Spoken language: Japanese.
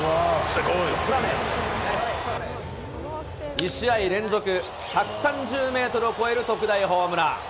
２試合連続１３０メートルを超える特大ホームラン。